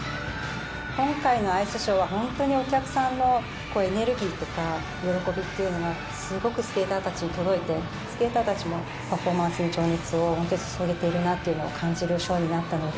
今回のアイスショーはホントにお客さんのエネルギーとか喜びっていうのがすごくスケーターたちに届いてスケーターたちもパフォーマンスに情熱をホントに注げてるなっていうのを感じるショーになったので。